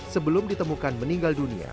sebelum ditemukan meninggal dunia